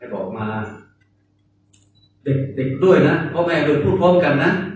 ออกมาติดด้วยนะพ่อแม่โดนพูดพร้อมกันนะ